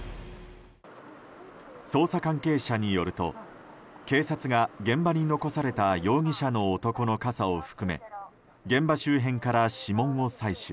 捜査関係者によると警察が現場に残された容疑者の男の傘を含め現場周辺から指紋を採取。